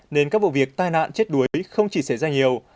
nên các vụ việc tai nạn chết đuối không chỉ xảy ra nhiều